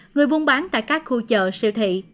người buôn bán tại các khu chợ siêu thị